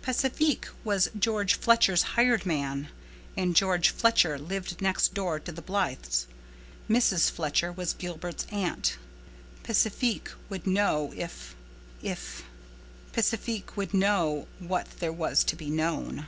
Pacifique was George Fletcher's hired man, and George Fletcher lived next door to the Blythes. Mrs. Fletcher was Gilbert's aunt. Pacifique would know if—if—Pacifique would know what there was to be known.